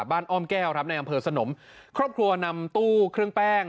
อ้อมแก้วครับในอำเภอสนมครอบครัวนำตู้เครื่องแป้ง